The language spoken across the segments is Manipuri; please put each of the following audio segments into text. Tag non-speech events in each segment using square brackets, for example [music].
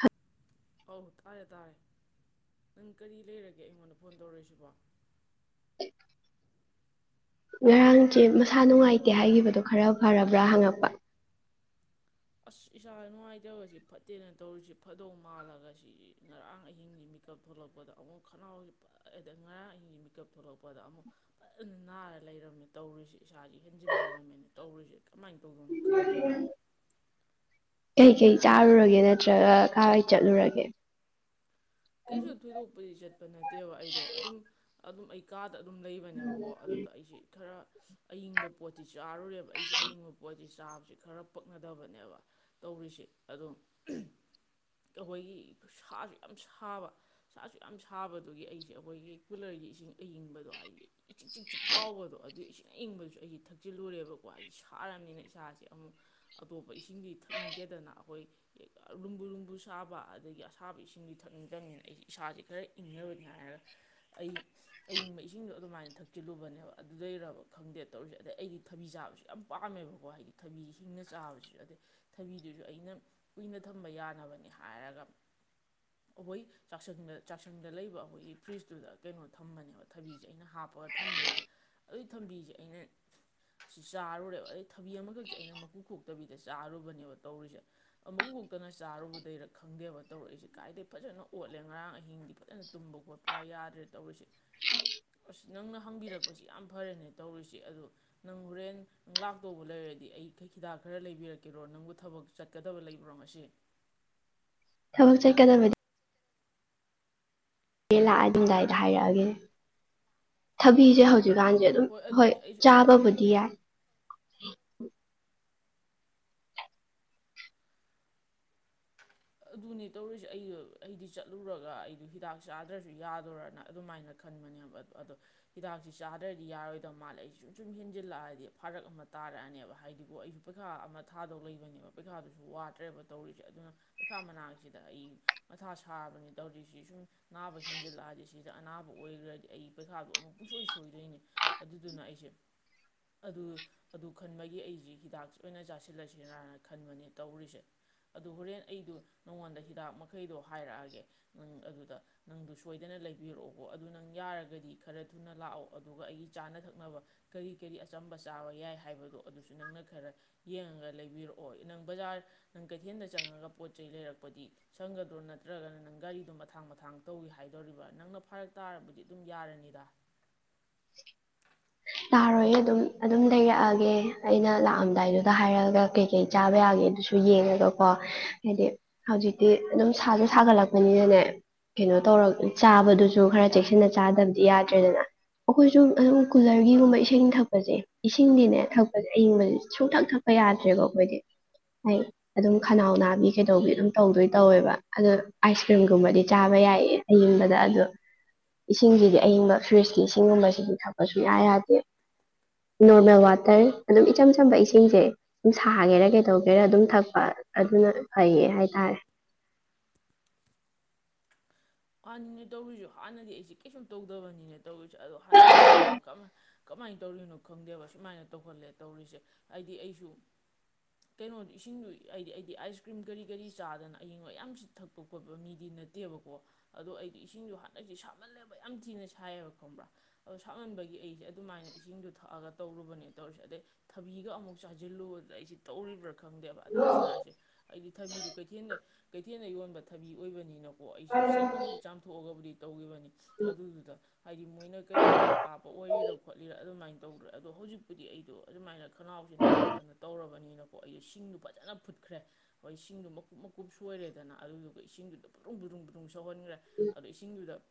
ꯍ ꯑꯧ ꯇꯥꯔꯦ ꯇꯥꯔꯦ ꯅꯪ ꯀꯔꯤ ꯂꯩꯔꯒꯦ ꯑꯩꯉꯣꯟꯗ ꯐꯣꯟ ꯇꯧꯔꯛꯏꯁꯤꯕꯣ ꯉꯔꯥꯡꯁꯦ ꯃꯁꯥ ꯅꯨꯡꯉꯥꯏꯇꯦ ꯍꯥꯏꯈꯤꯕꯗꯣ ꯈꯔ ꯐꯔꯕ꯭ꯔꯥ ꯍꯪꯉꯛꯄ ꯑꯁ ꯏꯁꯥꯗ ꯅꯨꯡꯉꯥꯏꯇꯕꯁꯤ ꯐꯠꯇꯦꯅ ꯇꯧꯔꯤꯁꯤ ꯐꯗꯧ ꯃꯥꯜꯂꯒ ꯁꯤ ꯉꯔꯥꯡ ꯑꯍꯤꯡꯒꯤ ꯃꯤꯦꯀꯞ ꯊꯣꯛꯂꯛꯄꯗ ꯑꯃꯨꯛ ꯈꯅꯥꯎꯁꯤ ꯐ ꯉꯔꯥꯡ ꯑꯍꯤꯡꯒꯤ ꯃꯤꯦꯀꯞ ꯊꯣꯛꯂꯛꯄꯗ ꯑꯃꯨꯛ ꯐꯖꯅ ꯅꯥꯔ ꯂꯩꯔꯝꯃꯦ ꯇꯧꯔꯤꯁꯤ ꯏꯁꯥꯁꯤ ꯍꯦꯟꯖꯤꯟ ꯂꯩꯔꯝꯃꯦꯅ ꯇꯧꯔꯤꯁꯦ ꯀꯃꯥꯏꯅ ꯇꯧ ꯇꯧꯧꯕꯅ ꯈꯪꯒꯦꯅ ꯀꯩ ꯀꯩ ꯆꯥꯔꯨꯔꯒꯦ ꯅꯠꯇ꯭ꯔꯒ ꯀꯔꯋꯥꯏ ꯆꯠꯂꯨꯔꯒꯦ ꯀꯩꯁꯨ ꯊꯣꯏꯗ ꯆꯠ ꯅꯠꯇꯦꯕ ꯑꯩꯗꯣ ꯑꯗꯨꯝ ꯑꯗꯨꯝ ꯑꯩ ꯀꯥ ꯑ ꯗ ꯑꯗꯨꯝ ꯂꯩꯕꯅꯦꯕꯀꯣ ꯑꯗꯨꯗ ꯑꯩꯁꯤꯦ ꯈꯔ ꯑꯌꯤꯡꯕ ꯄꯣꯠꯇꯤ ꯆꯥꯔꯨꯔꯦꯕ ꯑꯩꯁꯦ ꯑꯌꯤꯡꯕ ꯄꯣꯠꯁꯤꯤ ꯆꯥꯕꯁꯤ ꯈꯔ ꯄꯛꯅꯗꯕꯅꯦꯕ ꯇꯧꯔꯤꯁꯦ ꯑꯗꯨꯝ ꯑꯩꯈꯣꯏꯒꯤ ꯁꯥꯁꯨ ꯌꯥꯝ ꯁꯥꯕ ꯁꯥꯁꯨ ꯌꯥꯝ ꯁꯥꯕꯗꯨꯒꯤ ꯑꯩꯁꯦ ꯑꯩꯈꯣꯏꯒꯤ ꯀꯨꯂꯔꯒꯤ ꯏꯁꯤꯡ ꯑꯏꯤꯡꯕꯗꯣ ꯍꯥꯏꯗꯤ ꯏꯆꯤꯛ ꯆꯛꯆꯤꯛ ꯂꯥꯎꯕꯗꯣ ꯑꯗꯨ ꯪ ꯏꯪꯕꯁꯨ ꯑꯩꯗꯤ ꯊꯛꯆꯤꯜꯂꯨꯔꯦꯕꯀꯣ ꯍꯥꯏꯗꯤ ꯁꯥꯔꯕꯅꯤꯅ ꯏꯁꯥꯁꯦ ꯑꯃꯨꯛ ꯑꯇꯣꯞꯄ ꯏꯁꯤꯡꯒꯤꯗꯤ ꯊꯛꯅꯤꯡꯗꯦꯗꯅ ꯑꯩꯈꯣꯏ ꯂꯨꯝꯕꯨ ꯂꯨꯝꯕꯨ ꯁꯥꯕ ꯑꯗꯒꯤ ꯑꯁꯥꯕ ꯏꯁꯤꯡꯗꯤ ꯊꯛꯅꯤꯡ ꯆꯪꯅꯤꯅ ꯑꯩꯁꯦ ꯏꯁꯥꯁꯦ ꯈꯔ ꯏꯪꯅꯕꯅꯤ ꯍꯥꯏꯔꯒ ꯑꯩ ꯑꯏꯪꯕ ꯏꯁꯤꯡꯗꯣ ꯑꯗꯨꯃꯥꯏꯅ ꯊꯛꯆꯤꯜꯂꯨꯕꯅꯦꯕ ꯑꯗꯨꯗꯩꯔꯕ ꯈꯪꯗꯦ ꯇꯧꯔꯁꯦ ꯑꯗꯩ ꯑꯩꯗꯤ ꯊꯕꯤ ꯆꯥꯕꯁꯨ ꯌꯥꯝ ꯄꯥꯝꯃꯦꯕꯀꯣ ꯍꯥꯏꯗꯤ ꯊꯕꯤ ꯍꯁꯤꯡꯅ ꯆꯥꯕꯁꯤꯁꯨ ꯑꯗꯩ ꯊꯕꯤꯗꯨꯁꯨ ꯑꯩꯅ ꯀꯨꯏꯅ ꯊꯝꯕ ꯌꯥꯅꯕꯅꯤ ꯍꯥꯏꯔꯒ ꯑꯩꯈꯣꯏ ꯆꯥꯛꯁꯪꯗ ꯆꯥꯛꯁꯪꯗ ꯂꯩꯕ ꯑꯩꯈꯣꯏꯒꯤ ꯐ꯭ꯔꯤꯖꯇꯨꯗ ꯀꯩꯅꯣ ꯊꯝꯕꯅꯦꯕ ꯊꯕꯤꯁꯦ ꯑꯩꯅ ꯍꯥꯞꯄꯒ ꯊꯝꯕꯅꯦꯕ ꯑꯗꯨꯒꯤ ꯊꯕꯤꯁꯦ ꯑꯩꯅ ꯆꯥꯔꯨꯔꯦꯕ ꯑꯗꯩ ꯊꯕꯤ ꯑꯃꯈꯛꯁꯦ ꯑꯩꯅ ꯃꯀꯨ ꯈꯣꯛꯇꯕꯤꯗ ꯆꯥꯔꯨꯕ ꯇꯧꯔꯤꯁꯦ ꯑꯃꯨ ꯈꯛꯇꯅ ꯆꯥꯔꯨꯕꯗꯩꯔ ꯈꯪꯗꯦꯕ ꯇꯧꯔꯛꯏꯁꯦ ꯍꯥꯏꯗꯤ ꯐꯖꯅ ꯑꯣꯠꯂꯦ ꯉꯔꯥꯡ ꯑꯍꯤꯡꯗꯤ ꯐꯖꯅ ꯇꯨꯝꯕ ꯈꯣꯠꯄ ꯍꯥꯏ ꯌꯥꯗ꯭ꯔꯦ ꯇꯧꯔꯤꯁ ꯑꯁ ꯅꯪꯅ ꯍꯪꯕꯤꯔꯛꯄꯁꯤ ꯌꯥꯝ ꯐꯔꯦꯅꯦ ꯇꯧꯔꯤꯁꯦ ꯑꯗꯨꯗꯣ ꯅꯪ ꯍꯣꯔꯦꯟ ꯂꯥꯛꯇꯧꯕ ꯂꯩꯔꯗꯤ ꯑꯩꯩ ꯍꯤꯗꯥꯛ ꯈꯔ ꯂꯩꯕꯤꯔꯛꯀꯦꯔꯣ ꯅꯪꯕꯨ ꯊꯕꯛ ꯆꯠꯀꯗꯕ ꯂꯩꯕ꯭ꯔꯣ ꯉꯁꯤ ꯍ ꯆꯔ ꯀꯗꯝ ꯂꯥꯛꯑ ꯑꯗꯨꯝꯗꯥꯏꯗ ꯍꯥꯏꯔꯛꯑꯒꯦ ꯊꯕꯤꯁꯦ ꯍꯧꯖꯤꯛ ꯍꯧꯖꯤꯛꯀꯥꯟꯁꯦ ꯑꯗꯨꯝ ꯍꯣꯏ ꯑꯗꯨꯅꯤ ꯑꯩꯁꯨ ꯆꯥꯕꯕꯨꯗꯤ ꯌꯥꯏ ꯎꯝ ꯑꯗꯨꯅꯤ ꯇꯧꯔꯤꯁꯦ ꯑꯩ ꯑꯩꯗꯤ ꯆꯠꯂꯨꯔꯒ ꯑꯩꯗ ꯍꯤꯗꯥꯛ ꯆꯥꯗ꯭ꯔꯁꯨ ꯌꯥꯗꯣꯏꯣꯔꯅ ꯑꯗꯨꯃꯥꯏꯅ ꯈꯟꯕꯅꯦꯕ ꯑꯗꯣ ꯍꯤꯗꯥꯛꯁꯤ ꯆꯥꯗ꯭ꯔꯗꯤ ꯌꯥꯔꯣꯏꯗꯕ ꯃꯥꯜꯂꯦ ꯑꯩꯁꯦ ꯁꯨꯝ ꯁꯨꯝ ꯍꯦꯟꯖꯤꯜꯂꯛꯑꯗꯤ ꯐꯥꯔꯛ ꯑꯃ ꯇꯥꯔꯛꯑꯅꯦꯕ ꯍꯥꯏꯗꯤꯕꯨ ꯑꯩꯁꯨ ꯄꯩꯈꯥ ꯑꯃ ꯊꯥꯗꯧ ꯂꯩꯕꯅꯦꯕ ꯄꯩꯈꯥꯗꯨꯁꯨ ꯋꯥꯠꯇ꯭ꯔꯦꯕ ꯇꯧꯔꯤꯁꯦ ꯑꯗꯨꯅ ꯄꯩꯈꯥ ꯃꯅꯥꯛꯁꯤꯗ ꯑꯩ ꯃꯊꯥ ꯁꯥꯕꯅꯦ ꯇꯧꯔꯤꯁꯤ ꯁꯨꯝ ꯅꯥꯕ ꯍꯦꯟꯖꯜꯂꯛꯑꯗꯤ ꯁꯤꯗ ꯑꯅꯥꯕ ꯑꯣꯏꯈ꯭ꯔꯗꯤ ꯑꯩ ꯄꯩꯈꯥꯗꯣ ꯑꯃꯨꯛ ꯄꯨꯡꯁꯣꯏ ꯁꯣꯏꯗꯣꯏꯅꯦ ꯑꯗꯨꯗꯨꯅ ꯑꯩꯁꯦ ꯑꯗꯨ ꯑꯗꯨ ꯈꯟꯕꯒꯤ ꯑꯩꯁꯤꯦ ꯍꯤꯗꯥꯛ ꯑꯣꯏꯅ ꯆꯥꯁꯤꯜꯂꯁꯔꯅ ꯈꯟꯕꯅꯦ ꯇꯧꯔꯤꯁꯦ ꯑꯗꯨ ꯍꯣꯔꯦꯟ ꯑꯩꯗꯣ ꯅꯉꯣꯟꯗ ꯍꯤꯗꯥꯛ ꯃꯈꯩꯗꯣ ꯍꯥꯏꯔꯛꯑꯒꯦ ꯅꯪ ꯑꯗꯨꯗ ꯅꯪꯗꯨ ꯁꯣꯏꯗꯅ ꯂꯩꯕꯤꯔꯛꯑꯣꯕꯣ ꯑꯗꯨ ꯅꯪ ꯌꯥꯔꯒꯗꯤ ꯈꯔ ꯊꯨꯅ ꯂꯥꯛꯑꯣ ꯑꯗꯨꯒ ꯑꯩꯒꯤ ꯆꯥꯅ ꯊꯛꯅꯕ ꯀꯔꯤ ꯀꯔꯤ ꯑꯆꯝꯕ ꯆꯥꯕ ꯌꯥꯏ ꯍꯥꯏꯕꯗꯣ ꯑꯗꯨꯁꯨ ꯅꯪꯅ ꯈꯔ ꯌꯦꯡꯉꯒ ꯂꯩꯕꯤꯔꯛꯑꯣ ꯅꯪ ꯕꯖꯥꯔ ꯅꯪ ꯀꯩꯊꯦꯜꯗ ꯆꯪꯉꯒ ꯄꯣꯠ ꯆꯩ ꯂꯩꯔꯛꯄꯗꯤ ꯁꯪꯒꯗ꯭ꯔꯣ ꯅꯠꯇ꯭ꯔꯒꯅ ꯅꯪ ꯒꯥꯔꯤꯗꯣ ꯃꯊꯥꯡ ꯃꯊꯥꯡ ꯇꯧꯏ ꯍꯥꯏꯗꯣꯔꯤꯕ꯭ꯔꯥ ꯅꯪꯅ ꯐꯔꯛ ꯇꯥꯔꯕꯗꯤ ꯑꯗꯨꯝ ꯌꯥꯔꯅꯤꯗ [unintelligible] ꯇꯥꯔꯣꯏ ꯑꯗꯨꯝ ꯑꯗꯨꯝ ꯂꯩꯔꯛꯑꯒꯦ ꯑꯩꯅ ꯂꯥꯛꯑꯝꯗꯥꯏꯗꯨꯗ ꯍꯥꯏꯔꯛꯑꯒ ꯀꯩꯀꯩ ꯆꯥꯕ ꯌꯥꯒꯦ ꯑꯗꯨꯁꯨ ꯌꯦꯡꯉꯒꯀꯣ ꯍꯥꯏꯗꯤ ꯍꯧꯖꯤꯛꯇꯤ ꯑꯗꯨꯝ ꯁꯥꯁꯨ ꯁꯥꯒꯠꯂꯛꯄꯅꯤꯅꯅꯦ ꯀꯩꯅꯣ ꯇꯧꯔ ꯆꯥꯕꯗꯨꯁꯨ ꯈꯔ ꯆꯦꯛꯁꯤꯟꯅ ꯆꯥꯗꯕꯗꯤ ꯌꯥꯗ꯭ꯔꯦꯗꯅ ꯑꯩꯈꯣꯏꯁꯨ ꯑꯗꯨꯝ ꯐꯔꯒꯤꯒꯨꯝꯕ ꯏꯁꯤꯡ ꯊꯛꯄꯁꯦ ꯏꯁꯤꯡꯗꯤꯅꯦ ꯊꯛꯄꯁꯦ ꯑꯏꯤꯡꯕꯁꯦ ꯁꯨꯡꯊꯛ ꯊꯛꯄ ꯌꯥꯗ꯭ꯔꯦꯀꯣ ꯑꯩꯈꯣꯏꯗꯤ ꯍ ꯑꯗꯨꯝ ꯈꯅꯥꯎ ꯅꯥꯕꯤ ꯀꯩꯗꯧꯕꯤ ꯑꯗꯨꯝ ꯇꯧꯗꯣꯏ ꯇꯧꯋꯦꯕ ꯑꯗꯣ ꯑꯥꯏꯁ ꯀ꯭ꯔꯤꯝꯒꯨꯝꯕꯗꯤ ꯆꯥꯕ ꯌꯥꯏꯌꯦ ꯑꯌꯤꯡꯕꯗ ꯑꯗꯣ ꯏꯁꯤꯡꯁꯤꯗꯤ ꯑꯌꯤꯡꯕ ꯐ꯭ꯔꯤꯖꯀꯤ ꯏꯁꯤꯡꯒꯨꯝꯕꯁꯤꯗꯤ ꯊꯛꯄꯁꯨ ꯌꯥ ꯌꯥꯗꯦ ꯅꯣꯔꯃꯦꯜ ꯋꯥꯇꯔ ꯑꯗꯨꯝ ꯏꯆꯝ ꯆꯝꯕ ꯏꯁꯤꯡꯁꯦ ꯑꯗꯨ ꯁꯥꯒꯦꯔꯥ ꯀꯩꯗꯧꯒꯦꯔꯥ ꯑꯗꯨꯝ ꯊꯛꯄ ꯑꯗꯨꯅ ꯐꯩꯌꯦ ꯍꯥꯏꯇꯥꯔꯦ ꯍꯥꯟꯅꯤꯅꯦ ꯇꯧꯔꯤꯁ ꯍꯥꯟꯅꯗꯤ ꯑꯩꯁꯦ ꯀꯩꯁꯨꯝ ꯇꯧꯗꯕꯅꯤꯅꯦ ꯇꯧꯔꯤꯁꯦ ꯑꯗꯣ ꯍꯟꯗꯛꯁꯤ ꯅꯥꯕ ꯀꯃꯥꯏ ꯀꯃꯥꯏꯅ ꯇꯧꯔꯤꯅꯣ ꯈꯪꯗꯦꯕ ꯁꯨꯃꯥꯏꯅ ꯇꯧꯍꯜꯂꯦ ꯇꯧꯔꯤꯁꯦ ꯍꯥꯏꯗꯤ ꯑꯩꯁꯨ ꯀꯩꯅꯣ ꯏꯁꯤꯡꯗꯨ ꯍꯥꯏꯗꯤ ꯑꯩꯗꯤ ꯑꯥꯏꯁ ꯀ꯭ꯔꯤꯝ ꯀꯔꯤ ꯀꯔꯤ ꯆꯥꯗꯅ ꯑꯏꯪꯕ ꯌꯥꯝ ꯊꯛꯄ ꯈꯣꯠꯄ ꯃꯤꯗꯤ ꯅꯠꯇꯦꯕꯀꯣ ꯑꯗꯣ ꯑꯩꯗꯤꯣ ꯏꯁꯤꯡꯗꯣ ꯍꯟꯗꯛꯁꯦ ꯁꯥꯞꯃꯜꯂꯦꯕ ꯌꯥꯝ ꯊꯤꯅ ꯁꯥꯏꯌꯦꯕ ꯈꯪꯕ꯭ꯔꯥ ꯑꯗꯣ ꯁꯥꯃꯟꯕꯒꯤ ꯑꯩꯁꯦ ꯑꯗꯨꯃꯥꯏꯅ ꯏꯁꯤꯡꯗꯣ ꯊꯛꯑꯒ ꯇꯧꯔꯨꯕꯅꯦ ꯇꯧꯔꯤꯁꯦ ꯑꯗꯩ ꯊꯕꯤꯒ ꯑꯃꯨꯛ ꯆꯥꯁꯤꯜꯂꯨꯕꯗ ꯑꯩꯁꯦ ꯇꯧꯔꯤꯕ꯭ꯔꯥ ꯈꯪꯗꯦꯕ ꯑꯗꯩ ꯏꯁꯥꯁꯦ ꯑꯩꯗꯤ ꯊꯕꯤꯗꯨ ꯀꯩꯊꯦꯜꯗ ꯀꯩꯊꯦꯜꯗ ꯌꯣꯟꯕ ꯊꯕꯤ ꯑꯣꯏꯕꯅꯤꯅꯀꯣ ꯁꯦꯡꯅꯕꯨꯗꯤ ꯆꯥꯝꯊꯣꯛꯑꯒꯕꯨꯗꯤ ꯇꯧꯈꯤꯕꯅꯤ ꯑꯗꯨꯗꯨꯗ ꯍꯥꯏꯗꯤ ꯃꯣꯏꯅ ꯀꯔꯤ ꯍꯤꯗꯥꯛ ꯀꯥꯞꯄ ꯑꯣꯏꯔꯤꯔ ꯈꯣꯠꯂꯤꯔ ꯑꯗꯨꯃꯥꯏꯅ ꯇꯧꯗ꯭ꯔꯦ ꯑꯗꯣ ꯍꯧꯖꯤꯛꯄꯨꯗꯤ ꯑꯩꯗꯣ ꯑꯗꯨꯃꯥꯏꯅ ꯈꯅꯥꯎꯁꯦ ꯅꯥꯔꯛꯇꯅ ꯇꯧꯔꯕꯅꯤꯅꯀꯣ ꯑꯩꯗ ꯁꯤꯡꯗꯨꯣ ꯐꯖꯅ ꯐꯨꯠꯈ꯭ꯔꯦ ꯑꯩꯣꯏ ꯁꯤꯡꯗꯣ ꯃꯀꯨꯞ ꯃꯀꯨꯞ ꯁꯣꯏꯔꯦꯗꯅ ꯑꯗꯨꯗꯨꯒ ꯏꯁꯤꯡꯗꯨꯗ ꯐꯔꯨꯡ ꯐꯔꯨꯡ ꯁꯧꯍꯟꯈ꯭ꯔꯦ ꯑꯗꯣ ꯏꯁꯤꯡꯗꯨꯗ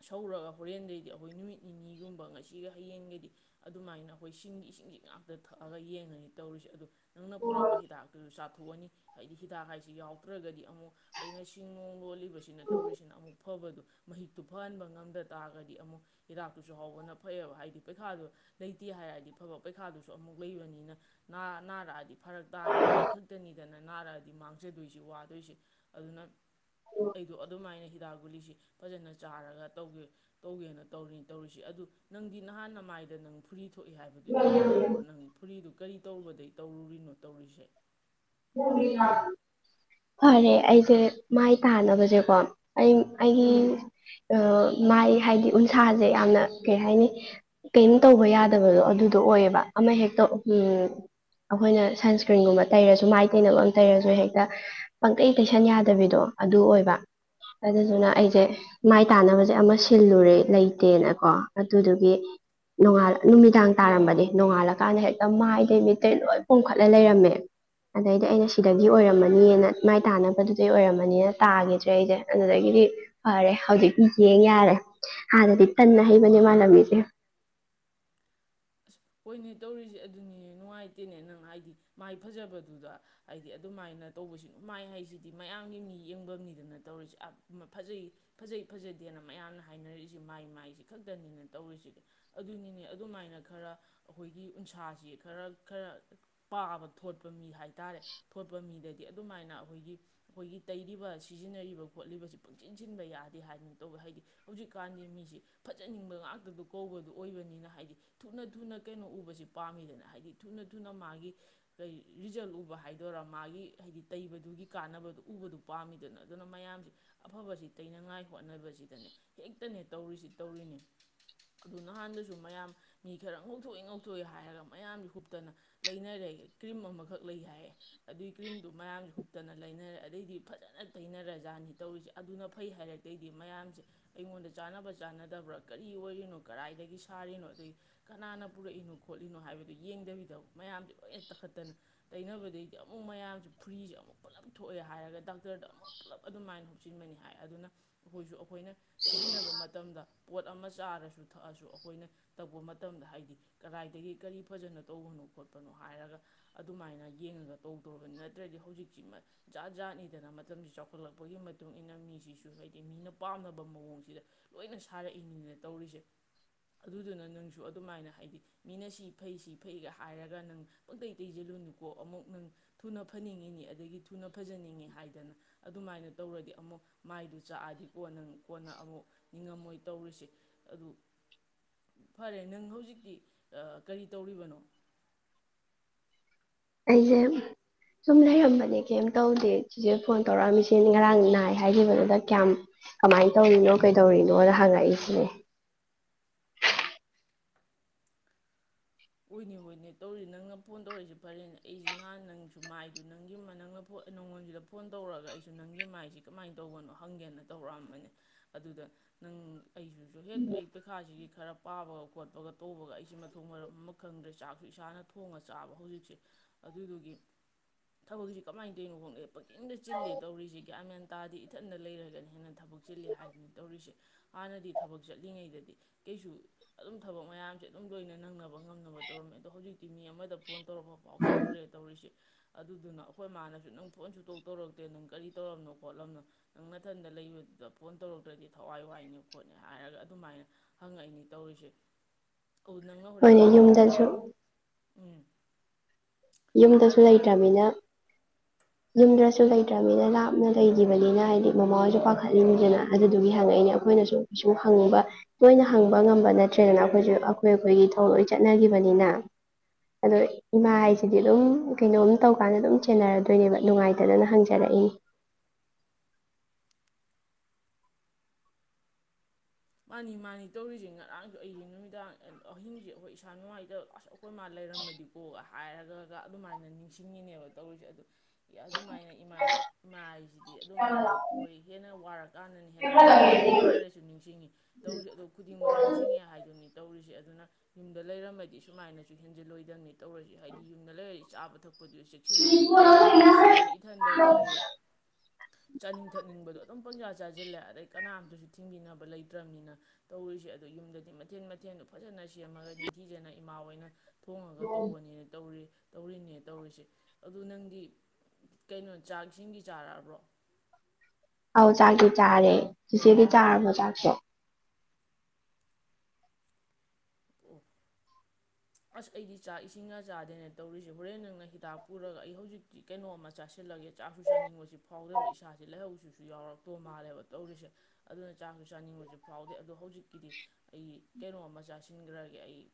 ꯁꯧꯔꯒ ꯍꯣꯔꯦꯟꯗꯩꯗꯤ ꯑꯩꯈꯣꯏ ꯅꯨꯃꯤꯠ ꯅꯤꯅꯤꯒꯨꯝꯕ ꯉꯁꯤꯒ ꯍꯌꯦꯡꯒꯩꯗꯤ ꯑꯗꯨꯃꯥꯏꯅ ꯑꯩꯈꯣꯏ ꯁꯤꯡꯒꯤ ꯏꯁꯤꯡꯁꯤ ꯉꯥꯛꯇ ꯊꯛꯑꯒ ꯌꯦꯡꯉꯅꯤ ꯇꯧꯔꯤꯁꯦ ꯑꯗꯨ ꯅꯪꯅ ꯄꯨꯔꯛꯄ ꯍꯤꯗꯥꯛꯇꯨꯁꯨ ꯆꯥꯊ ꯊꯣꯛꯑꯅꯤ ꯍꯥꯏꯗꯤ ꯍꯤꯗꯥꯛ ꯍꯥꯏꯁꯤ ꯌꯥꯎꯗ꯭ꯔꯒꯗꯤ ꯑꯃꯨꯛ ꯑꯩꯅ ꯁꯤꯡꯅꯨꯡ ꯂꯣꯜꯂꯤꯕꯁꯤ ꯁꯤꯅ ꯇꯧꯔꯤꯁꯤꯅ ꯑꯃꯨꯛ ꯐꯕꯗꯨ ꯃꯍꯤꯛꯇꯨ ꯐꯍꯟꯕ ꯉꯝꯗ ꯇꯥꯔꯒꯗꯤ ꯑꯃꯨꯛ ꯍꯤꯗꯥꯛꯇꯨꯁꯨ ꯍꯥꯎꯕꯅ ꯐꯩꯑꯦꯕ ꯍꯥꯏꯗꯤ ꯄꯩꯈꯥꯗꯣ ꯂꯩꯇꯦ ꯍꯥꯏꯔꯗꯤ ꯐꯕ ꯄꯩꯈꯥꯗꯨꯁꯨ ꯑꯃꯨꯛ ꯂꯩꯕꯅꯤꯅ ꯅꯥꯔꯛꯑꯗꯤ ꯐꯔꯛ ꯇꯥꯅꯦꯕ ꯑꯩ ꯈꯛꯇꯅꯤꯗꯅ ꯅꯥꯔꯛꯑꯗꯤ ꯃꯥꯡꯖꯗꯣꯏꯁꯤ ꯋꯥꯗꯣꯏꯁꯤ ꯑꯗꯨꯅ ꯑꯩꯗꯣ ꯑꯗꯨꯃꯥꯏꯅ ꯗꯥ ꯒꯨꯂꯤꯁꯤ ꯐꯖꯅ ꯆꯥꯔꯒ ꯇꯧꯒꯦ ꯇꯧꯒꯦꯅ ꯇꯧꯔꯤꯅꯤ ꯇꯧꯔꯤꯁꯤ ꯑꯗꯨ ꯅꯪꯗꯤ ꯅꯍꯥꯟ ꯅ ꯃꯥꯏꯗ ꯅꯪ ꯐꯨꯔꯤ ꯊꯣꯛꯏ ꯍꯥꯏꯕꯗꯨꯗꯤ ꯐꯔꯕ꯭ꯔꯣ ꯅꯪ? ꯐꯨꯔꯤꯗꯨ ꯀꯔꯤ ꯇꯧꯔꯨꯕꯗꯩ ꯇꯧꯔꯨꯔꯤꯅꯣ ꯇꯧꯔꯤꯁꯦ ꯐꯔꯦ ꯑꯩꯁꯦ ꯃꯥꯏ ꯇꯥꯅꯕꯁꯦꯀꯣ ꯑꯩ ꯑꯩꯒꯤ ꯃꯥꯏ ꯍꯥꯏꯗꯤ ꯎꯟꯁꯥꯁꯦ ꯌꯥꯝꯅ ꯀꯩ ꯍꯥꯏꯅꯤ ꯀꯩꯅꯣ ꯇꯧꯕ ꯌꯥꯗꯕꯗꯣ ꯑꯗꯨꯗꯣ ꯑꯣꯏꯌꯦꯕ ꯑꯃ ꯍꯦꯛꯇ ꯑꯩꯈꯣꯏꯅ ꯁꯟꯁꯀ꯭ꯔꯤꯟꯒꯨꯝꯕ ꯇꯩꯔꯁꯨ ꯃꯥꯏ ꯇꯩꯅꯕ ꯑꯃ ꯇꯩꯔꯁꯨ ꯍꯦꯛꯇ ꯄꯪꯇꯩꯩ ꯇꯩꯁꯟ ꯌꯥꯗꯕꯤꯗꯣ ꯑꯗꯨ ꯑꯣꯏꯕ ꯑꯗꯨꯗꯨꯅ ꯑꯩꯁꯦ ꯃꯥꯏ ꯇꯥꯅꯕꯁꯦ ꯑꯃ ꯁꯤꯜꯂꯨꯔꯦ ꯂꯩꯇꯦꯅꯀꯣ ꯑꯗꯨꯗꯨꯒꯤ ꯅꯣꯡꯉꯥꯟ ꯅꯨꯃꯤꯗꯥꯡ ꯇꯥꯔꯝꯕꯗꯤ ꯅꯣꯡꯉꯥꯜꯂꯀꯥꯟꯗ ꯍꯦꯛꯇ ꯃꯥꯏꯗꯩ ꯃꯤꯠꯇꯩ ꯂꯣꯏ ꯄꯣꯝꯈꯠꯂ ꯂꯩꯔꯝꯃꯦ꯫ ꯑꯗꯩꯗꯤ ꯑꯩꯅ ꯁꯤꯗꯒꯤ ꯑꯣꯏꯔꯝꯃꯥꯅ‌ꯌꯤꯅꯥ ꯃꯥꯏ ꯇꯥꯅꯕꯗꯨꯗꯩ ꯑꯣꯏꯔꯝꯃꯅꯌꯤꯅꯥ ꯇꯥꯒꯤꯗ꯭ꯔꯦ ꯑꯩꯁꯦ ꯑꯗꯨꯗꯒꯤꯗꯤ ꯐꯔꯦ ꯍꯧꯖꯤꯛꯇꯤ ꯌꯦꯡ ꯌꯥꯔꯦ꯫ ꯍꯥꯟꯅꯗꯤ ꯇꯟ ꯑꯥꯍꯩꯕꯅꯦ ꯃꯥꯂꯝꯃꯤꯁꯦ꯫ ꯑꯁ ꯍꯣꯏꯅꯦ ꯇꯧꯔꯤꯁꯦ ꯑꯗꯨꯅꯤꯅꯦ ꯅꯨꯡꯉꯥꯏꯇꯦꯅꯦ ꯅꯪ ꯍꯥꯏꯗꯤ ꯃꯥꯏ ꯐꯖꯕꯗꯨꯗ ꯍꯥꯏꯗꯤ ꯑꯗꯨꯃꯥꯏꯅ ꯇꯧꯕꯁꯤꯅ ꯃꯥꯏ ꯍꯥꯏꯁꯤꯗꯤ ꯃꯌꯥꯝꯒꯤ ꯃꯤ ꯌꯦꯡꯕ ꯃꯤꯗꯅ ꯇꯧꯔꯤꯁꯤꯦ ꯐꯖꯩ ꯐꯖꯩ ꯐꯖꯗꯦꯅ ꯃꯌꯥꯝꯅ ꯍꯥꯏꯅꯔꯛꯏꯁꯤꯦ ꯃꯥꯏ ꯃꯥꯏꯁꯤ ꯈꯛꯇꯅꯤꯅ ꯇꯧꯔꯤꯁꯤꯗꯤ ꯑꯗꯨꯅꯤꯅꯦ ꯑꯗꯨꯃꯥꯏꯅ ꯈꯔ ꯑꯈꯣꯏꯒꯤ ꯎꯟꯁꯥꯁꯤ ꯈꯔ ꯈꯔ ꯄꯥꯕ ꯊꯣꯠꯄ ꯃꯤ ꯍꯥꯏꯇꯥꯔꯦ ꯊꯣꯠꯄ ꯃꯤꯗꯗꯤ ꯑꯗꯨꯃꯥꯏꯅ ꯑꯈꯣꯏꯒꯤ ꯑꯈꯣꯏꯒꯤ ꯇꯩꯔꯤꯕ ꯁꯤꯖꯤꯟꯅꯔꯤꯕ ꯈꯣꯠꯂꯤꯕꯁꯤ ꯄꯪꯁꯤꯟ ꯁꯤꯟꯕ ꯌꯥꯗꯦ ꯍꯥꯏꯗꯅ ꯇꯧꯕ ꯍꯥꯏꯗꯤ ꯍꯧꯖꯤꯛꯀꯥꯟꯗꯤ ꯃꯤꯁꯤ ꯐꯖꯅꯤꯡꯕ ꯉꯥꯛꯇꯗ ꯀꯧꯕꯗꯨ ꯑꯣꯏꯕꯅꯤꯅ ꯍꯥꯏꯗꯤ ꯊꯨꯅ ꯊꯨꯅ ꯀꯩꯅꯣ ꯎꯕꯁꯤ ꯄꯥꯝꯃꯤꯗꯅ ꯍꯥꯏꯗꯤ ꯊꯨꯅ ꯊꯨꯅ ꯃꯥꯒꯤ ꯀꯩ ꯔꯤꯖꯜ ꯎꯕ ꯍꯥꯏꯗꯣꯏꯔꯥ ꯃꯥꯒꯤ ꯍꯥꯏꯗꯤ ꯇꯩꯕꯗꯨꯒꯤ ꯀꯥꯟꯅꯕꯗꯨ ꯎꯕꯗꯨ ꯄꯥꯝꯃꯤꯗꯅ ꯑꯗꯨꯅ ꯃꯌꯥꯝꯁꯦ ꯑꯐꯕꯁꯤ ꯇꯩꯅꯉꯥꯏ ꯍꯣꯠꯅꯕꯁꯤꯗꯅꯦ ꯍꯦꯛꯇꯅꯦ ꯇꯧꯔꯤꯁꯤ ꯇꯧꯔꯤꯅꯦ ꯑꯗꯨ ꯅꯍꯥꯟꯗꯁꯨ ꯃꯌꯥꯝ ꯃꯤ ꯈꯔꯥ ꯉꯧꯊꯣꯛꯑꯦ ꯉꯧꯊꯣꯛꯑꯦ ꯍꯥꯏꯔꯒ ꯃꯌꯥꯝ ꯍꯨꯞꯇꯅ ꯂꯩꯅꯔꯦ ꯀ꯭ꯔꯤꯝ ꯑꯃꯈꯛ ꯂꯩ ꯍꯥꯏꯌꯦ ꯑꯗꯨꯏ ꯀ꯭ꯔꯤꯝꯗꯨ ꯃꯌꯥꯝ ꯍꯨꯞꯇꯅ ꯂꯩꯅꯔꯦ ꯑꯗꯩꯗꯤ ꯐꯖꯅ ꯇꯩꯅꯔ ꯖꯥꯠꯅꯤ ꯇꯧꯔꯤꯁꯦ ꯑꯗꯨꯅ ꯐꯩ ꯍꯥꯏꯔꯛꯇꯩꯗꯤ ꯃꯌꯥꯝꯁꯦ ꯑꯩꯉꯣꯟꯗ ꯆꯥꯟꯅꯕ ꯆꯥꯟꯅꯗꯕ꯭ꯔꯥ ꯀꯔꯤ ꯑꯣꯏꯔꯤꯅꯣ ꯀꯗꯥꯏꯗꯒꯤ ꯁꯥꯔꯤꯅꯣ ꯑꯗꯨꯏ ꯀꯅꯥꯅ ꯄꯨꯔꯛꯏꯅꯣ ꯈꯣꯠꯂꯤꯅꯣ ꯍꯥꯏꯕꯗꯨ ꯌꯦꯡꯗꯕꯤꯗ ꯃꯌꯥꯝꯁꯦ ꯂꯣꯏꯅ ꯇꯛꯈꯠꯇꯅ ꯇꯩꯅꯕꯗꯩꯗꯤ ꯑꯃꯨꯛ ꯃꯌꯥꯝꯁꯦ ꯐ꯭ꯨꯔꯤꯁꯦ ꯑꯃꯨꯛ ꯄꯨꯂꯞ ꯊꯣꯛꯑꯦ ꯍꯥꯏꯔꯒ ꯗꯥꯛꯇꯔꯗ ꯑꯃꯨꯛ ꯄꯨꯜꯂꯞ ꯑꯗꯨꯃꯥꯏꯅ ꯍꯨꯞꯆꯤꯟꯕꯅꯤ ꯍꯥꯏ ꯑꯗꯨꯅ ꯑꯈꯣꯏꯁꯨ ꯑꯩꯈꯣꯏꯅ ꯁꯤꯖꯤꯟꯅꯕ ꯃꯇꯝꯗ ꯄꯣꯠ ꯑꯃ ꯆꯥꯔꯁꯨ ꯊꯛꯑꯁꯨ ꯑꯈꯣꯏꯅ ꯇꯧꯕ ꯃꯠ ꯃꯇꯝꯗ ꯍꯥꯏꯗꯤ ꯀꯗꯥꯏꯗꯒꯤ ꯀꯔꯤ ꯐꯖꯅ ꯇꯧꯕꯅꯣ ꯈꯣꯠꯄꯅꯣ ꯍꯥꯏꯔꯒ ꯑꯗꯨꯃꯥꯏꯅ ꯌꯦꯡꯉꯒ ꯇꯧꯗꯣꯕ ꯅꯠꯇ꯭ꯔꯗꯤ ꯍꯧꯖꯤꯛꯁꯤ ꯃꯥ ꯖꯥꯠ ꯖꯥꯠꯅꯤꯗꯅ ꯃꯇꯝꯁꯤ ꯆꯥꯎꯈꯠꯂꯛꯄꯒꯤ ꯃꯇꯨꯡꯏꯟꯅ ꯃꯤꯁꯤꯁꯨ ꯍꯥꯏꯗꯤ ꯃꯤꯅ ꯄꯥꯝꯅꯕ ꯃꯑꯣꯡꯁꯤꯗ ꯂꯣꯏꯅ ꯁꯥꯔꯛꯏꯅꯤꯅ ꯇꯧꯔꯤꯁꯦ ꯑꯗꯨꯗꯨꯅ ꯅꯪꯁꯨ ꯁꯨ ꯑꯗꯨꯃꯥꯏꯅ ꯍꯥꯏꯗꯤ ꯃꯤꯅ ꯁꯤ ꯐꯩ ꯁꯤ ꯐꯩꯒ ꯍꯥꯏꯔꯒ ꯅꯪ ꯄꯪꯇꯩ ꯇꯩꯁꯤꯜꯂꯨꯅꯨꯀꯣ ꯑꯃꯨꯛ ꯅꯪ ꯊꯨꯅ ꯐꯅꯤꯡꯉꯤꯅꯤ ꯑꯗꯒꯤ ꯊꯨꯅ ꯐꯖꯅꯤꯡꯉꯤ ꯍꯥꯏꯗꯅ ꯑꯗꯨꯃꯥꯏꯅ ꯇꯧꯔꯗꯤ ꯑꯃꯨꯛ ꯃꯥꯏꯗꯨ ꯆꯥꯛꯑꯗꯤ ꯀꯣꯟꯅ ꯀꯣꯟꯅ ꯑꯃꯨꯛ ꯅꯤꯡꯉꯝꯃꯣꯏ ꯇꯧꯔꯤꯁꯦ ꯑꯗꯨ ꯐꯔꯦ ꯅꯪ ꯍꯧꯖꯤꯛꯇꯤ ꯑꯥ ꯀꯔꯤ ꯇꯧꯔꯤꯕꯅꯣ? ꯑꯩꯁꯦ ꯁꯨꯝ ꯂꯩꯔꯝꯕꯅꯦ ꯀꯦꯝ ꯇꯧꯗꯦ ꯆꯦꯆꯦ ꯐꯣꯟ ꯇꯧꯔꯛꯑꯝꯃꯤꯁꯦ ꯉꯔꯥꯡ ꯅꯥꯏ ꯍꯥꯏꯈꯤꯕꯗꯨꯗ ꯀꯌꯥꯝ ꯀꯃꯥꯏꯅ ꯇꯧꯔꯤꯅꯣ ꯀꯩꯗꯧꯔꯤꯅꯣꯅ ꯍꯪꯉꯛꯏ ꯁꯤꯅꯦ ꯍꯣꯏꯅꯦ ꯍꯣꯏꯅꯦ ꯇꯧꯔꯤ ꯅꯪꯅ ꯐꯣꯟ ꯇꯧꯔꯛꯏꯁꯤ ꯐꯔꯤꯅꯤ ꯑꯩꯁꯤ ꯅꯍꯥꯟ ꯅꯪꯁꯨ ꯃꯥꯏꯗꯨ [inaudible] ꯅꯪꯉ‌ꯣꯟꯁꯤꯗꯥ ꯐꯣꯟ ꯇꯧꯔꯛꯑꯒ ꯑꯩꯁꯨ ꯅꯪꯒꯤ ꯃꯥꯏꯁꯤ ꯀꯃꯥꯏꯅ ꯇꯧꯕꯅꯣ ꯍꯪꯒꯦꯅ ꯇꯧꯔꯛꯑꯝꯕꯅꯦ ꯑꯗꯨꯗ ꯅꯪ ꯑꯩꯁꯤꯁꯨ ꯍꯦꯛ ꯑꯩ ꯄꯩꯈꯥꯁꯤꯒꯤ ꯈꯔ ꯄꯥꯕꯒ ꯈꯣꯠꯄꯒ ꯇꯧꯕꯒ ꯑꯩꯁꯦ ꯃꯊꯣꯡ ꯃꯔꯝ ꯑꯃ ꯈꯪꯗ꯭ꯔꯦ ꯆꯥꯛꯁꯨ ꯏꯁꯥꯅ ꯊꯣꯡꯉꯥ ꯆꯥꯕ ꯍꯧꯖꯤꯛꯁꯦ ꯑꯗꯨꯗꯨꯒꯤ ꯊꯕꯛꯁꯤ ꯀꯃꯥꯏꯅ ꯇꯩꯏꯅꯣ ꯈꯡꯗꯦ ꯄꯪꯆꯤꯟꯗ ꯆꯤꯟꯂꯦ ꯇꯧꯔꯤꯁꯤ ꯒ꯭ꯌꯥꯟ ꯃꯦꯟ ꯇꯥꯗꯦ ꯏꯊꯟꯗ ꯂꯩꯔꯒꯅꯥ ꯍꯦꯟꯅꯥ ꯊꯕꯛ ꯆꯤꯜꯂꯦ ꯍꯥꯏꯗꯨꯅꯤ ꯇꯧꯔꯤꯁꯦ ꯍꯥꯟꯅꯗꯤ ꯊꯕꯛ ꯆꯠꯂꯤꯉꯩꯗꯗꯤ ꯀꯩꯁꯨ ꯑꯗꯨꯝ ꯊꯕꯛ ꯃꯌꯥꯝꯁꯦ ꯑꯗꯨꯝ ꯂꯣꯏꯅ ꯅꯪꯅꯕ ꯉꯝꯅꯕ ꯇꯧꯔꯝꯃꯦ ꯑꯗꯣ ꯍꯧꯖꯤꯛꯇꯤ ꯃꯤ ꯑꯃꯗ ꯐꯣꯟ ꯇꯧꯔꯛꯄ ꯐꯥꯎ ꯁꯪꯗ꯭ꯔꯦ ꯇꯧꯔꯤꯁꯤ ꯑꯗꯨꯗꯨꯅ ꯑꯈꯣꯏ ꯃꯥꯅꯁꯨ ꯅꯪ ꯐꯣꯟ ꯁꯨꯡꯇꯧ ꯇꯧꯔꯛꯇꯦ ꯅꯪ ꯀꯔꯤ ꯇꯧꯔꯝꯅꯣ ꯈꯣꯠꯂꯝꯅꯣ ꯅꯪ ꯅꯊꯟꯗ ꯂꯩꯕꯗꯨꯗ ꯐꯣꯟ ꯇꯧꯔꯛꯇ꯭ꯔꯗꯤ ꯊꯋꯥꯏ ꯋꯥꯏꯅꯦ ꯈꯣꯠꯅꯦ ꯍꯥꯏꯔꯒ ꯑꯗꯨꯃꯥꯏꯅ ꯍꯪꯉꯛꯏꯅꯤ ꯇꯧꯔꯤꯁꯦ꯫ ꯑꯧ ꯅꯪꯅ ꯍꫭꯔꯦꯟ ꯂꯛ [unintelligible] ꯎꯝ ꯌꯨꯝꯗꯁꯨ ꯍꯥꯏꯔꯛꯑꯣ ꯍꯥꯏꯔꯛꯑꯣ ꯂꯩꯇ꯭ꯔꯝꯃꯤꯅ ꯌꯨꯝꯗ꯭ꯔꯁꯨ ꯂꯩꯇ꯭ꯔꯕꯅꯤꯅ ꯂꯥꯞꯅ ꯂꯩꯈꯤꯕꯅꯤꯅ ꯍꯥꯏꯗꯤ ꯃꯃꯥꯍꯣꯏꯁꯨ ꯄꯥꯈꯠꯂꯤꯅꯤꯗꯅ ꯑꯗꯨꯗꯨꯒꯤ ꯍꯪꯉꯛꯏꯅꯦ ꯑꯈꯣꯏꯅꯁꯨ ꯀꯩꯁꯨ ꯍꯪꯕ ꯇꯣꯏꯅ ꯍꯪꯕ ꯉꯝꯕ ꯅꯠꯇ꯭ꯔꯦꯗꯅ ꯑꯈꯣꯏꯁꯨ ꯑꯈꯣꯏ ꯑꯈꯣꯏꯒꯤ ꯊꯧ ꯂꯣꯏ ꯆꯠꯅꯈꯤꯕꯅꯤꯅ ꯑꯗꯣ ꯏꯃꯥ ꯍꯥꯏꯁ ꯍꯥꯏꯗꯤ ꯑꯗꯨꯝ ꯀꯩꯅꯣꯝ ꯇꯧꯀꯥꯟꯗ ꯑꯗꯨꯝ ꯆꯦꯟꯅꯔꯗꯣꯏꯅꯦꯕ ꯅꯨꯡꯉꯥꯏꯇꯗꯅ ꯍꯪꯖꯔꯛꯏꯅꯤ ꯃꯥꯅꯤ ꯃꯥꯅꯤ ꯇꯧꯔꯤꯁꯦ ꯉꯔꯥꯡꯁꯨ ꯑꯩꯁꯦ ꯅꯨꯃꯤꯗꯥꯡ ꯑꯍꯤꯡꯁꯦ ꯑꯩꯈꯣꯏ ꯏꯁꯥ ꯅꯨꯡꯉꯥꯏꯇ ꯑꯁ ꯑꯩꯈꯣꯏ ꯃꯥ ꯂꯩꯔꯝꯃꯗꯤꯀꯣꯒ ꯍꯥꯏꯔꯒꯒ ꯑꯗꯨꯃꯥꯏꯅ ꯅꯤꯡꯁꯤꯡꯉꯤꯅꯦꯕ ꯇꯧꯔꯤꯁꯦ ꯑꯗꯨ ꯑꯗꯨꯃꯥꯏꯅ ꯏꯃꯥ ꯏꯃꯥ ꯍꯥꯏꯁꯤꯗꯤ ꯑꯗꯨꯃꯥꯏꯅ ꯑꯈꯣꯏ ꯍꯦꯟꯅ ꯋꯥꯔꯛꯀꯥꯟꯗꯅ ꯍꯦꯟꯅ ꯅꯤꯡꯁꯤꯡꯉꯤ ꯅꯨꯡꯉꯥꯏꯔꯁꯨ ꯅꯤꯡꯁꯤꯡꯉꯤ ꯇꯧꯔꯤꯁꯦ ꯑꯗꯨ ꯈꯨꯗꯤꯡꯃꯛ ꯅꯤꯡꯁꯤꯡꯉꯦ ꯍꯥꯏꯗꯨꯅꯤ ꯇꯧꯔꯤ ꯁꯦ ꯑꯗꯨꯅ ꯌꯨꯝꯗ ꯂꯩꯔꯝꯃꯗꯤ ꯁꯨꯃꯥꯏꯅꯁꯨ ꯍꯦꯟꯖꯤꯜꯂꯣꯏꯗꯝꯅꯤ ꯇꯧꯔꯁꯤꯦ ꯍꯥꯏꯗꯤ ꯌꯨꯝꯗ ꯂꯩꯔꯛꯁꯦ ꯆꯥꯕ ꯊꯥꯛꯄ ꯄꯨꯗꯤ ꯆꯦꯛꯁꯤꯜꯂꯦꯗꯅ ꯑꯗꯣ ꯁꯤꯗꯗꯤ ꯏꯊꯟꯗꯒ ꯂꯩꯔꯦ ꯆꯥꯅꯤꯡ ꯊꯛꯅꯤꯡꯕꯗꯣ ꯑꯗꯨꯝ ꯄꯪꯖꯥ ꯆꯥꯁꯤꯜꯂꯦꯗꯗꯒꯤ ꯀꯅꯥꯝꯇꯁꯨ ꯊꯤꯡꯕꯤꯅꯕ ꯂꯩ ꯐꯠꯇ꯭ꯔꯕꯅꯤꯅ ꯇꯧꯔꯤꯁꯦ ꯑꯗꯨ ꯌꯨꯝꯗꯗꯤ ꯃꯊꯦꯟ ꯃꯊꯦꯜꯗꯣ ꯐꯖꯅ ꯁꯦꯝꯃꯒ ꯅꯤꯡꯊꯤꯖꯅ ꯏꯃꯥꯣꯏꯅ ꯎ ꯇꯧꯔꯤꯅꯦ ꯇꯧꯔꯤꯁꯦ ꯑꯗꯨ ꯅꯪꯗꯤ ꯀꯩꯅꯣ ꯆꯥꯛ ꯏꯁꯤꯡꯒꯤ ꯆꯥꯔꯛꯑꯕ꯭ꯔꯣ ꯑꯧ ꯆꯥꯛꯇ ꯆꯥꯔꯦ ꯍꯧꯖꯤꯕꯤ ꯆꯥꯔꯕꯣ ꯆꯥꯛꯇꯣ ꯎ ꯑꯁ ꯑꯩꯗꯤ ꯆꯥꯛ ꯏꯁꯤꯡꯒ ꯆꯥꯗꯦꯅꯦ ꯇꯧꯔꯤꯁꯦ ꯍꯣꯔꯦꯟ ꯅꯪꯅ ꯍꯤꯗꯥꯛ ꯄꯨꯔꯒ ꯑꯩ ꯍꯧꯖꯤꯛꯇꯤ ꯀꯩꯅꯣꯝꯃ ꯆꯥꯁꯤꯜꯂꯒꯦ ꯆꯥꯛꯁꯨ ꯆꯥꯅꯤꯡꯕꯁꯤ ꯐꯥꯎꯗꯦꯕ ꯏꯁꯥꯥꯁꯦ ꯂꯩꯍꯧꯁꯤꯁꯨ ꯌꯥꯎꯔꯛꯇꯣ ꯃꯥꯜꯂꯦꯕ ꯇꯧꯔꯤꯁꯦ ꯑꯗꯨꯅ ꯆꯥꯛꯁꯨ ꯆꯥꯅꯤꯡꯕꯁꯨ ꯐꯥꯎꯗꯦ ꯑꯗꯨꯗꯣ ꯍꯧꯖꯤꯛ ꯀꯤꯗꯤ ꯑꯩ ꯀꯩꯅꯣꯝꯃ ꯆꯥꯁꯤꯟꯈ꯭ꯔꯒꯦ ꯑꯩ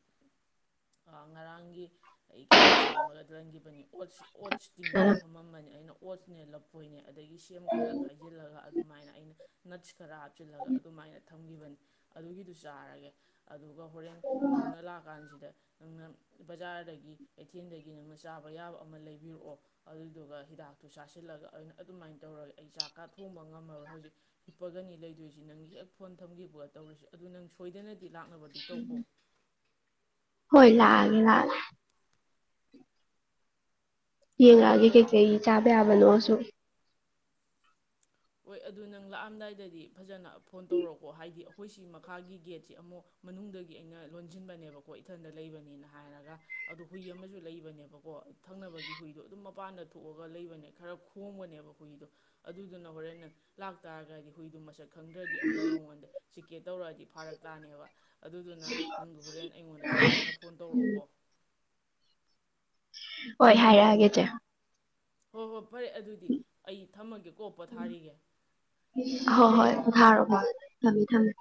ꯉꯔꯥꯡꯒꯤ ꯑꯩ ꯀꯩꯅꯣꯁꯤ ꯌꯥꯝꯃꯒ ꯂꯟꯈꯤꯕꯅꯤ ꯑꯣꯠꯁꯤ ꯑꯣꯠꯁꯤ ꯇꯤꯡꯉꯒ ꯑ ꯊꯝꯃꯝꯕꯅꯤ ꯑꯩꯅ ꯑꯣꯣꯠꯁꯅꯦ ꯂꯐꯣꯏꯅꯦ ꯑꯗꯒꯤ ꯁꯦꯝ ꯈꯔ ꯈꯥꯏꯖꯤꯜꯂꯒ ꯑꯗꯨꯃꯥꯏꯅ ꯑꯩꯅ [unintelligible] ꯈꯔ ꯍꯥꯞꯆꯤꯜꯂꯒ ꯑꯗꯨꯃꯥꯏꯅ ꯊꯝꯈꯤꯕꯅꯤ ꯑꯗꯨꯒꯤꯗꯨ ꯆꯥꯔꯒꯦ ꯑꯗꯨ ꯑꯗꯨꯒ ꯍꯣꯔꯦꯟ ꯅꯨꯡꯅ ꯂꯥꯛꯑ ꯀꯥꯟꯁꯤꯗ ꯅꯪꯅ ꯕꯖꯥꯔꯗꯒꯤ ꯀꯩꯊꯦꯜꯗꯒꯤ ꯅꯪꯅ ꯆꯥꯕ ꯌꯥꯕ ꯑꯃ ꯂꯩꯕꯤꯔꯛꯑꯣ ꯑꯗꯨꯗꯨꯒ ꯍꯤꯗꯥꯛꯇꯨ ꯆꯥꯁꯤꯜꯂꯒ ꯑꯩꯅ ꯑꯗꯨꯃꯥꯏꯅ ꯇꯧꯔꯒ ꯑꯩ ꯆꯥꯛꯀꯥ ꯊꯣꯡꯕ ꯉꯝꯃꯔꯣꯏ ꯍꯧꯖꯤꯛ ꯍꯤꯞꯄꯒꯅꯤ ꯂꯩꯗꯣꯏꯁꯤ ꯅꯪꯒꯤ ꯍꯦꯛ ꯐꯣꯟ ꯊꯝꯈꯤꯕꯒ ꯇꯧꯔꯤꯁꯤ ꯑꯗꯨ ꯅꯪ ꯁꯣꯏꯗꯅ ꯁꯤ ꯂꯥꯛꯅꯕꯗꯤ ꯇꯧꯕꯀꯣ ꯍꯣꯏꯂ ꯍꯥꯏꯒꯂ ꯍꯣꯏ ꯌꯦꯡꯉꯛꯑꯒꯦ ꯀꯩꯀꯩ ꯆꯥꯕ ꯌꯥꯕꯅꯣꯁꯨ ꯍꯣꯏ ꯑꯗꯨ ꯅꯪ ꯂꯥꯛꯑꯝꯗꯥꯏꯗꯗꯤ ꯐꯖꯅ ꯐꯣꯟ ꯇꯧꯔꯛꯑꯣꯀꯣ ꯍꯥꯏꯗꯤ ꯑꯩꯈꯣꯏ ꯁꯤ ꯃꯈꯥꯒꯤ ꯒꯦꯠꯁꯤ ꯑꯃꯨꯛ ꯃꯅꯨꯡꯗꯒꯤ ꯑꯩꯅ ꯂꯣꯟꯁꯤꯟꯕꯅꯦꯕꯀꯣ ꯏꯊꯟꯗ ꯂꯩꯕꯅꯤꯅ ꯍꯥꯏꯔꯒ ꯑꯗꯨꯗꯣ ꯍꯨꯏ ꯑꯃꯁꯨ ꯂꯩꯕꯅꯦꯕꯀꯣ ꯊꯪꯅꯕꯒꯤ ꯍꯨꯏꯗꯣ ꯑꯗꯨꯝ ꯃꯄꯥꯟꯗ ꯊꯣꯛꯑꯒ ꯂꯩꯕꯅꯦ ꯈꯔ ꯈꯣꯕꯅꯦꯕ ꯍꯨꯏꯗꯣ ꯑꯗꯨꯗꯨꯅ ꯍꯣꯔꯦꯟ ꯂꯥꯛꯇꯥꯔꯒꯗꯤ ꯍꯨꯏꯗꯣ ꯃꯁꯛ ꯈꯪꯗ꯭ꯔꯗꯤ ꯑꯃꯨꯛ ꯅꯉꯣꯟꯗ ꯆꯀꯤꯦꯠ ꯇꯧꯔꯛꯑꯗꯤ ꯐꯥꯔꯛ ꯇꯥꯅꯦꯕ ꯑꯗꯨꯗꯨꯅ ꯅꯪꯒꯤ ꯍꯣꯔꯦꯟ ꯑꯩꯉꯣꯟꯗ ꯁꯣꯏꯗꯅ ꯐꯣꯟ ꯇꯧꯔꯛꯎꯀꯣ ꯍꯣꯏ ꯍꯥꯏꯔꯛꯑꯒꯦ ꯏꯆꯦ ꯑꯣ ꯍꯣ ꯐꯔꯦ ꯑꯗꯨꯗꯤ ꯑꯩ ꯊꯝꯃꯒꯦ ꯀꯣꯛꯄ ꯊꯥꯔꯤꯒꯦ ꯊꯥꯔꯣꯑꯣ ꯐ ꯊꯝꯃꯦ ꯊꯝꯃꯦ